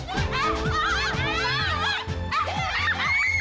kalian sudah bikin ribut disini